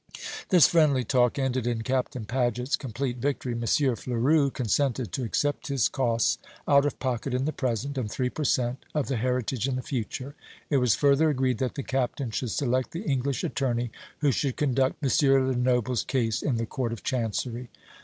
This friendly talk ended in Captain Paget's complete victory. M. Fleurus consented to accept his costs out of pocket in the present, and three per cent, of the heritage in the future. It was further agreed that the Captain should select the English attorney who should conduct M. Lenoble's case in the Court of Chancery.